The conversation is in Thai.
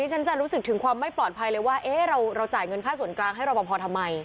ฉันจะรู้สึกถึงความไม่ปลอดภัยเลยว่าเราจ่ายเงินค่าส่วนกลางให้รอปภทำไม